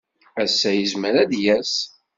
Ass-a, yezmer ad d-yas.